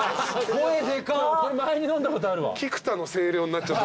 前に飲んだことあるわ。